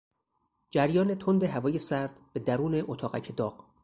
جریان تند هوای سرد به درون اتاقک داغ